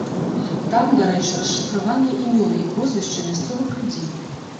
Там, дарэчы, расшыфраваныя імёны і прозвішчы мясцовых людзей.